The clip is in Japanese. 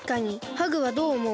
ハグはどうおもう？